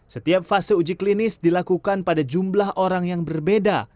setiap fase uji klinis dilakukan pada jumlah orang yang berbeda